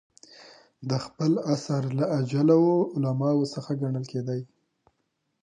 د خپل عصر له اجله وو علماوو څخه ګڼل کېدئ.